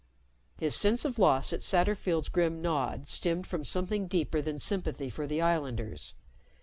His sense of loss at Satterfield's grim nod stemmed from something deeper than sympathy for the islanders.